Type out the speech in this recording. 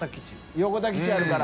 横田基地あるから。